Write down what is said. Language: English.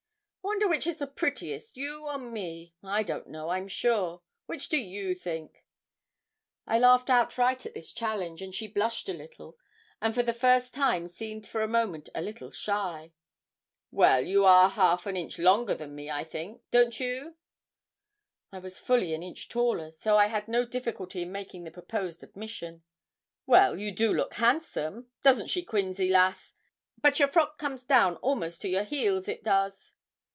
'I wonder which is the prettiest, you or me? I don't know, I'm sure which do you think?' I laughed outright at this challenge, and she blushed a little, and for the first time seemed for a moment a little shy. 'Well, you are a half an inch longer than me, I think don't you?' I was fully an inch taller, so I had no difficulty in making the proposed admission. 'Well, you do look handsome! doesn't she, Quinzy, lass? but your frock comes down almost to your heels it does.'